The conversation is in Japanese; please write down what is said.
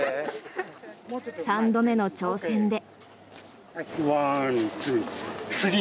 ３度目の挑戦で。